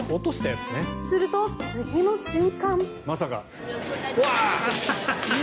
すると、次の瞬間。